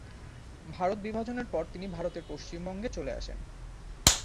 ভারত বিভাজনের পর তিনি ভারতের পশ্চিমবঙ্গে চলে আসেন।